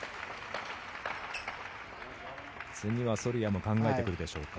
次はソルヤも考えてくるでしょうか。